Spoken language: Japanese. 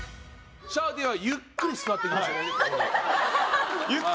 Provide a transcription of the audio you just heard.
シャオティンはゆっくり座っていきました。